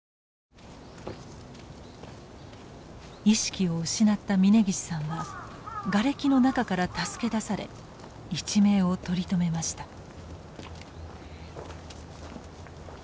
意識を失った嶺岸さんはがれきの中から助け出され一命を取り留めました。